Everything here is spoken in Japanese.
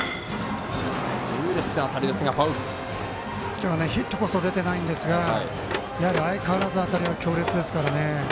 今日ヒットこそ出てないんですが相変わらず当たりは強烈ですからね。